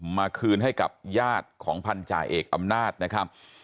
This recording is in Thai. มาคืนให้กับญาติของพันธาเอกอำนาจนะครับ